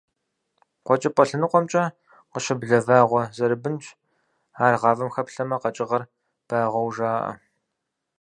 КъуэкӀыпӀэ лъэныкъуэмкӀэ къыщыблэ вагъуэ зэрыбынщ, ар гъавэм хэплъэмэ, къэкӀыгъэр багъуэу жаӀэ.